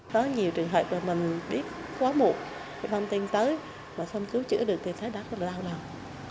có nhiều trường hợp mà mình biết quá muộn không tin tới mà không cứu chữa được thì thấy đáng là lau lòng